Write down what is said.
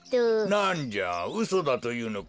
なんじゃうそだというのか？